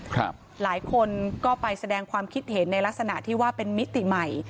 หลายคนก็ไปแสดงความคิดเห็นในลักษณะที่ว่าเป็นมิติใหม่